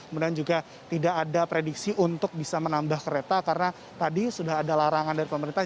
kemudian juga tidak ada prediksi untuk bisa menambah kereta karena tadi sudah ada larangan dari pemerintah